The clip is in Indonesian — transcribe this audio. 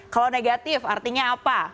kalau negatif artinya apa